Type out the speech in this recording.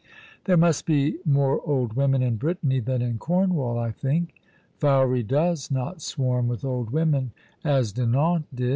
There must be more old women in Brittany than in Cornwall, I think. Fowey does not swarm with old women as Dinan did.